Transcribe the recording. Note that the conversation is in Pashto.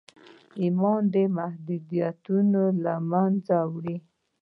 ايمان محدوديتونه له منځه وړي.